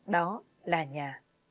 đó là nhà